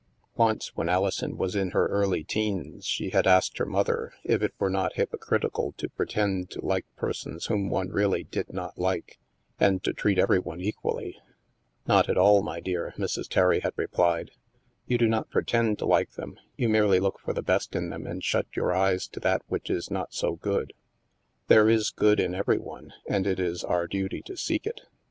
Once, when Alison was in her early teens, she had asked her mother if it were not hypocritical to pre tend to like persons whom one really did not like, and to treat every one equally. " Not at all, my dear," Mrs. Terry had replied. " You do not pretend to like them. You merely look for the best in them and shut your eyes to that which is not so good. There is good in every one, and it is our duty to seek it.